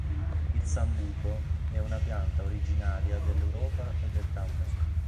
Il Sambuco è una pianta originaria dell'Europa e del Caucaso.